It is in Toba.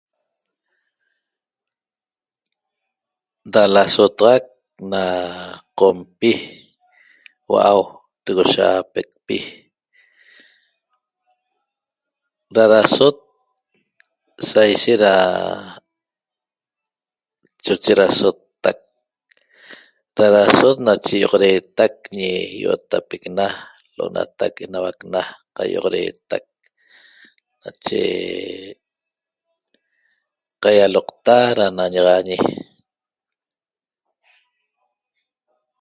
Da lasotaxac na qompi hua'au togoshaapecpi da dasot saishet da choche dasottat da dasot nache ýi'oxodeetac Ñi I'otapec Na Lo'onatac Enauac Na qai'oxodeetac nache qaialoqta da nañaxaañi